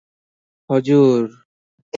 ହଜୁର!